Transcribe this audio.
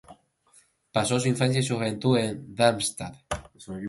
Pasó su infancia y su juventud en Darmstadt.